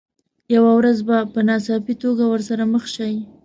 یوه ورځ به په ناڅاپي توګه ورسره مخ شئ.